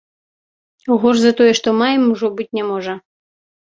Горш за тое, што маем, ужо быць не можа.